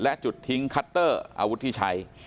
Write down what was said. และจุดทิ้งคัตเตอร์อาวุธที่ใช้